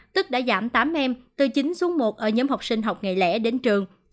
tức đã giảm tám em từ chín xuống một ở nhóm học sinh học ngày lễ đến trường